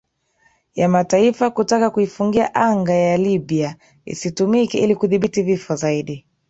ya mataifa kutaka kuifungia anga ya libya isitumike ili kudhibiti vifo zaidi